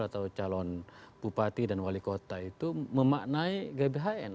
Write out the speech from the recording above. atau calon bupati dan wali kota itu memaknai gbhn